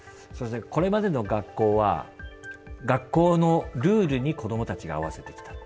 これまでの学校は学校のルールに子どもたちが合わせてきたと。